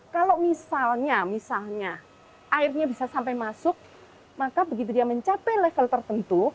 kalau misalnya misalnya airnya bisa sampai masuk maka begitu dia mencapai level tertentu